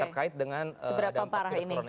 terkait dengan dampak virus corona